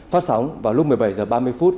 phát sóng vào lúc một mươi bảy h ba mươi phút